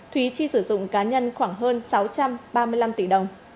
thúy chi sử dụng cá nhân khoảng hơn sáu trăm ba mươi năm tỷ đồng